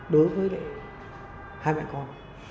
đối với hai mẹ con